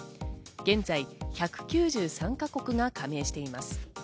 現在１９３か国が加盟しています。